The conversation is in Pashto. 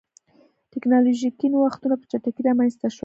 ټکنالوژیکي نوښتونه په چټکۍ رامنځته شول.